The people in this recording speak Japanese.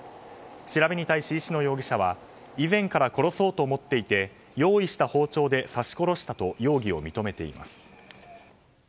調べに対し石野容疑者は以前から殺そうと思っていて用意した包丁で刺し殺したと容疑を認めています。